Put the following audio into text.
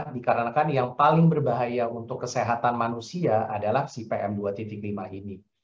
dikarenakan yang paling berbahaya untuk kesehatan manusia adalah si pm dua lima ini